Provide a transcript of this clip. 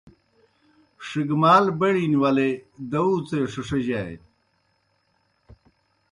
ݜِگمال بڑِن ولے داؤڅے ݜِݜیجانیْ